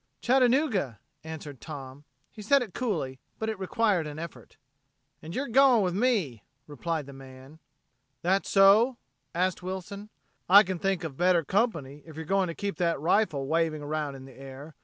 "Chattanooga," answered Tom. He said it coolly but it required an effort. "And yer going with me," replied the man. "That so?" asked Wilson. "I can think of better company if you're going to keep that rifle waving around in the air.